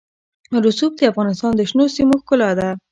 رسوب د افغانستان د شنو سیمو ښکلا ده.